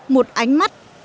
một ánh mắt